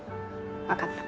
分かった。